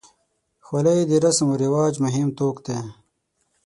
خولۍ د رسم و رواج مهم توک دی.